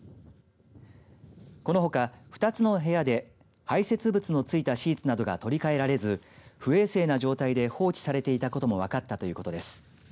このほか、２つの部屋で排せつ物の付いたシーツなどが取り替えられず不衛生な状態で放置されていたことも分かったということです。